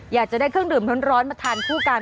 อยากจะได้เครื่องดื่มร้อนมาทานคู่กัน